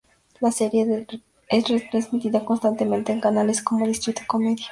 La serie es retransmitida constantemente, en canales como: Distrito Comedia.